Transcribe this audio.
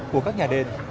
của các nhà đền